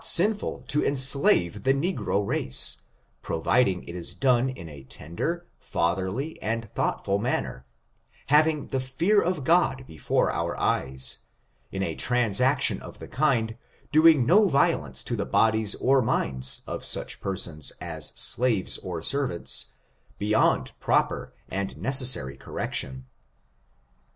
1(0 , sinful to enslave the negro race, providing it is done in a tender, fatherly and thoughtful manner, having the fear of God before our eyes, in a transaction of the kind, doing no violence to the bodies or minds of such persons as slaves or servants, beyond proper and necessary correction.